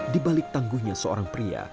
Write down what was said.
di balik tangguhnya seorang pria